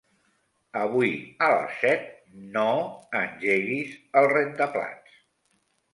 Avui a les set no engeguis el rentaplats.